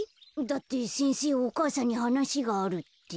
だって先生お母さんにはなしがあるって。